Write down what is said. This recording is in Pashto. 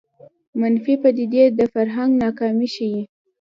منفي پدیدې د فرهنګ ناکامي ښيي